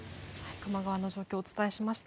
球磨川の状況をお伝えしました。